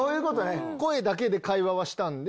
声だけで会話はしたんで。